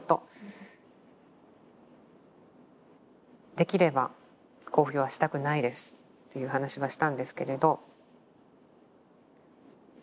「できれば公表はしたくないです」っていう話はしたんですけれど。